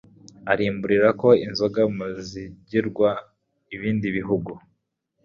Arimburirako inzigo Muzigirwa, ibindi bihugu,